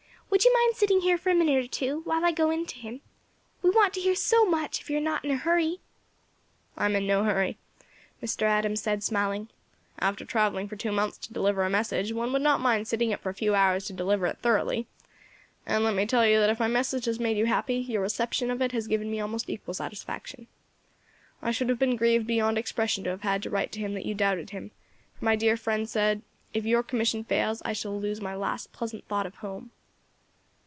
Would you mind sitting here for a minute or two while I go in to him? We want to hear so much, if you are not in a hurry." "I am in no hurry," Mr. Adams said, smiling. "After travelling for two months to deliver a message, one would not mind sitting up for a few hours to deliver it thoroughly; and let me tell you that if my message has made you happy, your reception of it has given me almost equal satisfaction. I should have been grieved beyond expression to have had to write to him that you doubted him, for my dear friend said, 'If your commission fails, I shall lose my last pleasant thought of home.'"